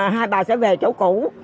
hai bà sẽ về chỗ cũ